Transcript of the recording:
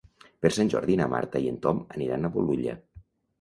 Per Sant Jordi na Marta i en Tom aniran a Bolulla.